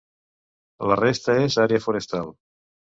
La resta és àrea forestal.